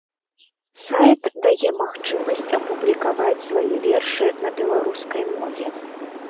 Сайт дае магчымасць апублікаваць свае вершы на беларускай мове.